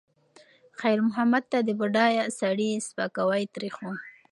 خیر محمد ته د بډایه سړي سپکاوی تریخ و.